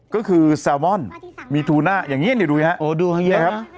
ก็คือแซลมอนมีทูน่าอย่างนี้ดูนี่นะครับ